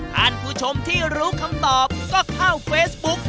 ท่านผู้ชมที่รู้คำตอบก็เข้าเฟซบุ๊ก